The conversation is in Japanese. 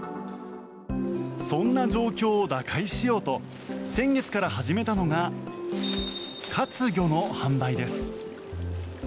そんな状況を打開しようと先月から始めたのが活魚の販売です。